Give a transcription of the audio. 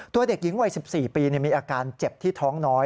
เด็กหญิงวัย๑๔ปีมีอาการเจ็บที่ท้องน้อย